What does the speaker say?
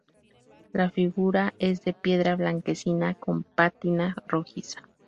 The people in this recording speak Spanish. La figura es de piedra blanquecina, con pátina rojiza.